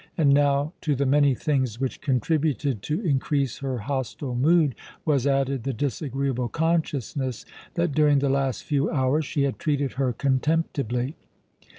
And now to the many things which contributed to increase her hostile mood, was added the disagreeable consciousness that during the last few hours she had treated her contemptibly.